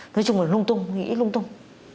nói chung là lung tung nghĩ lung tung